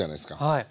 はい。